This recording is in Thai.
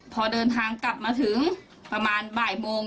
พอเดินทางกลับมาถึงประมาณบ่ายโมง